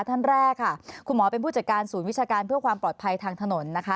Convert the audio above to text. ท่านแรกค่ะคุณหมอเป็นผู้จัดการศูนย์วิชาการเพื่อความปลอดภัยทางถนนนะคะ